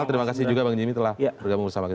terima kasih juga bang jimmy telah bergabung bersama kami